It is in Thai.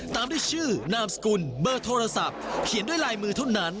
ตามด้วยชื่อนามสกุลเบอร์โทรศัพท์เขียนด้วยลายมือเท่านั้น